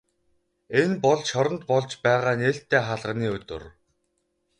Энэ бол шоронд болж байгаа нээлттэй хаалганы өдөр.